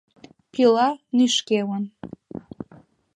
Пила нӱшкемын.